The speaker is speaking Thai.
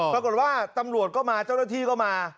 ปรากฏว่าตำรวจก็มาเจ้าหน้าที่ก็มา